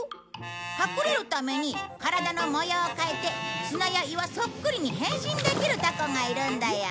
隠れるために体の模様を変えて砂や岩そっくりに変身できるタコがいるんだよ。